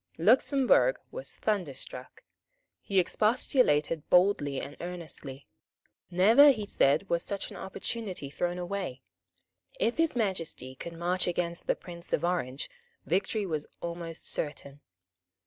Luxemburg was thunderstruck. He expostulated boldly and earnestly. Never, he said, was such an opportunity thrown away. If His Majesty would march against the Prince of Orange, victory was almost certain.